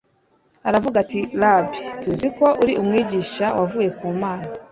Aravuga ati,“Rabbi,” “tuzi ko uri umwigisha wavuye ku Mana :